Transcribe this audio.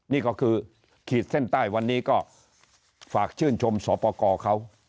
นี่ก็คือขีดเส้นใต้วันนี้ก็ฝากชื่นชมสอบประกอบเขา